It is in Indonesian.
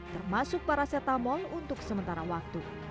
termasuk paracetamol untuk sementara waktu